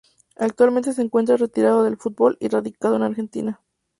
Actualmente se encuentra retirado del fútbol y radicado en Argentina.